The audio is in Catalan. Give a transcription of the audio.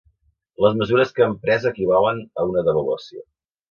Les mesures que han pres equivalen a una devaluació.